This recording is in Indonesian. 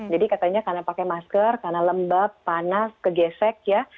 jadi katanya karena pakai masker karena lembab panas kegesek ya